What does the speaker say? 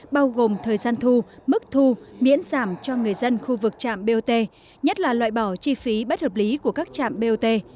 bao gồm thời gian thu mức thu miễn giảm cho người dân khu vực trạm bot nhất là loại bỏ chi phí bất hợp lý của các trạm bot